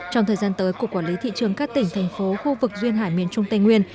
trong thời gian tới cục quản lý thị trường các tỉnh thành phố khu vực duyên hải miền trung tây nguyên